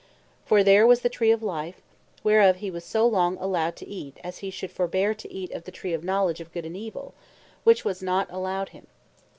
For there was the Tree of Life; whereof he was so long allowed to eat, as he should forbear to eat of the tree of Knowledge of Good an Evill; which was not allowed him.